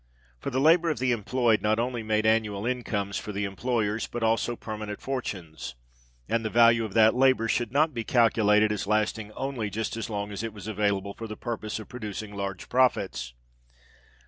For the labour of the employed not only made annual incomes for the employers, but also permanent fortunes; and the value of that labour should not be calculated as lasting only just as long as it was available for the purpose of producing large profits.